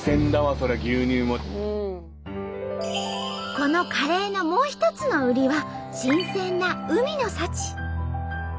このカレーのもう一つの売りは新鮮な海の幸。